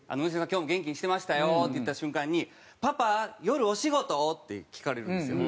今日も元気にしてましたよ」って言った瞬間に「パパ夜お仕事？」って聞かれるんですよ。